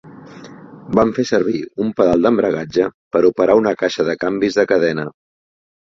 Van fer servir un pedal d'embragatge per operar una caixa de canvis de cadena.